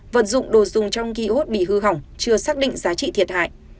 vật dụng đồ dùng trong kiosk bị hư hỏng chưa xác định giá trị thiệt hại